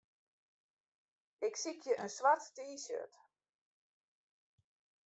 Ik sykje in swart T-shirt.